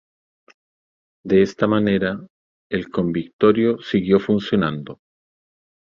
De esta manera, el Convictorio siguió funcionando.